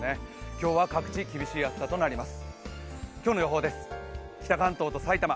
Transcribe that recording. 今日は各地、厳しい暑さとなります。